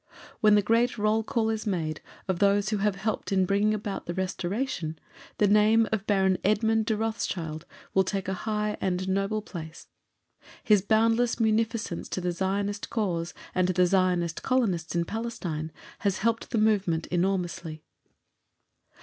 When the great roll call is made of those who have helped in bringing about the Restoration, the name of Baron Edmund de Rothschild will take a high and honourable place. His boundless munificence to the Zionist cause and to the Zionist Colonists in Palestine has helped the movement enormously.